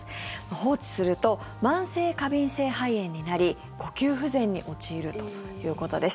放置すると慢性過敏性肺炎になり呼吸不全に陥るということです。